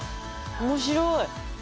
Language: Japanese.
面白い。